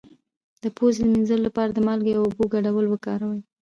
د پوزې د مینځلو لپاره د مالګې او اوبو ګډول وکاروئ